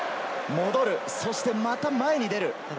戻る、そして前に出る。